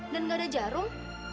dan nggak ada jarum